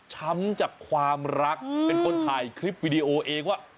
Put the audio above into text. ช้ำจากความรักเป็นคนถ่ายคลิปวิดีโอเองว่า